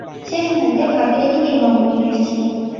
শেষ মুহূর্তে ভাগ্যের একি নির্মম পরিহাস ছিল!